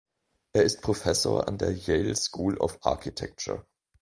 Er ist Professor an der Yale School of Architecture.